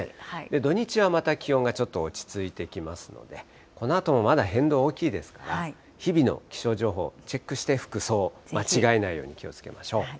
土日はまた気温がちょっと落ち着いてきますので、このあともまだ変動大きいですから、日々の気象情報をチェックして服装、間違えないように気をつけましょう。